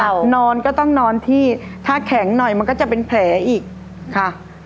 นอนก็ต้องนอนที่ถ้าแข็งหน่อยมันก็จะเป็นแผลอีกค่ะ